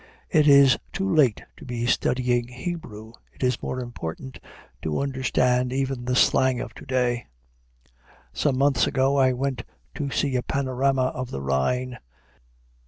It is too late to be studying Hebrew; it is more important to understand even the slang of to day. Some months ago I went to see a panorama of the Rhine.